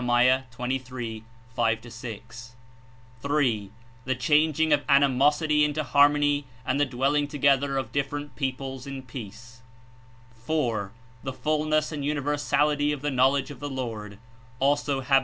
23. 5 6) — (3) the changing of animosity Into harmony and the dwelling together of different peoples in peace — (4) the fulness and universality of ''the knowledge of the Lord'' (also Hab.